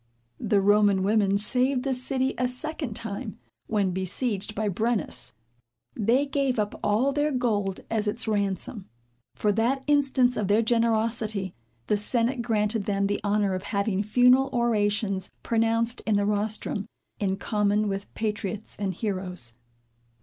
The Roman women saved the city a second time, when besieged by Brennus. They gave up all their gold as its ransom. For that instance of their generosity, the senate granted them the honor of having funeral orations pronounced in the rostrum, in common with patriots and heroes.